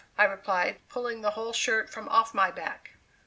I replied, pulling the whole shirt from off my back!